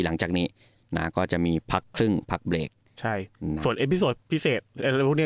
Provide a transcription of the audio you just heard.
หลังจากนี้นะก็จะมีพักครึ่งพักใช่ส่วนพิเศษแล้วพวกนี้